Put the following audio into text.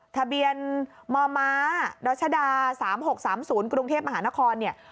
ทะเบียนมมดรชดา๓๖๓๐กรุงเทพมหานครเนี่ย